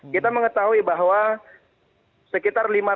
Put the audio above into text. kita mengetahui bahwa sekitar lima ratus